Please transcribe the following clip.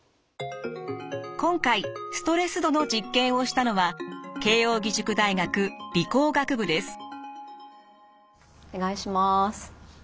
今回ストレス度の実験をしたのはお願いします。